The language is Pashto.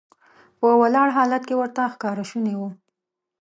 په ولاړ حالت کې ورته ښکار شونی و.